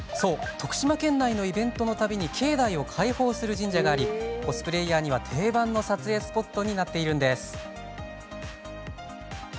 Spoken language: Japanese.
徳島県内のイベントのたびに境内を開放する神社がありコスプレイヤーには定番の撮影スポットになっているんです。